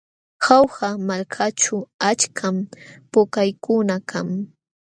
Jauja malkaćhu achkam pukllaykuna kan.